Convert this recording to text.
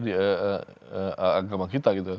di agama kita gitu